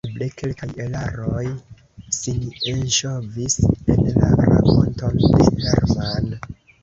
Eble kelkaj eraroj sin enŝovis en la rakonton de Hermann!